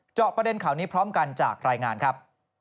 ประเด็นข่าวนี้พร้อมกันจากรายงานครับ